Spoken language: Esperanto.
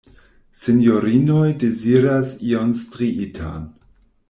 Sinjorinoj deziras ion striitan!